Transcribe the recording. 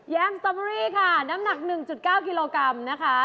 สตอเบอรี่ค่ะน้ำหนัก๑๙กิโลกรัมนะคะ